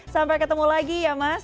sampai ketemu lagi ya mas